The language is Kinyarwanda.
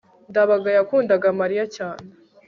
ndabaga yakundaga mariya cyane